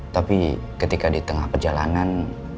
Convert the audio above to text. tapi ketika di tengah perjalanan